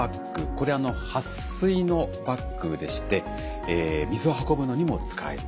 これは撥水のバッグでして水を運ぶのにも使える。